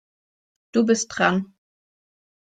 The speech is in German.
Du bist dran.